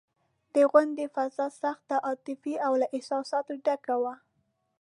د غونډې فضا سخته عاطفي او له احساساتو ډکه وه.